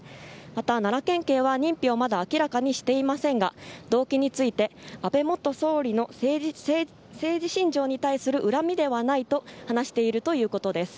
また、奈良県警は認否をまだ明らかにしていませんが動機について安倍元総理の政治信条に対する恨みではないと話しているということです。